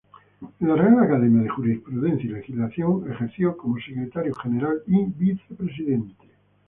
En la Real Academia de Jurisprudencia y Legislación, ejerció como secretario general y vicepresidente.